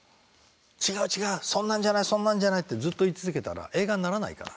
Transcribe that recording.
違う違うそんなんじゃないそんなんじゃないってずっと言い続けたら映画にならないから。